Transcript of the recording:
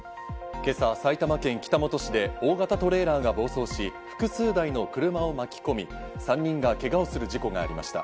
今朝、埼玉県北本市で大型トレーラーが暴走し、複数台の車を巻き込み、３人がけがをする事故がありました。